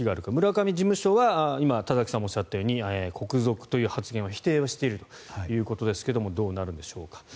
村上事務所は今田崎さんがおっしゃったように国賊という発言は否定はしているということですがどうなるんでしょうか。